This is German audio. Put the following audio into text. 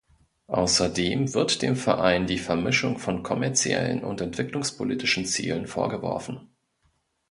Außerdem wird dem Verein die Vermischung von kommerziellen und entwicklungspolitischen Zielen vorgeworfen.